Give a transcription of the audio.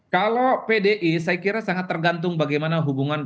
kalau pdi saya kira sangat tergantung bagaimana hubungan pdi